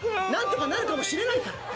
何とかなるかもしれないから。